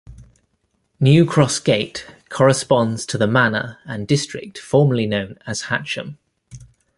New Cross Gate corresponds to the manor and district formerly known as Hatcham.